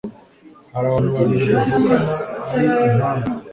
hari abantu babiri bavukana ari impanga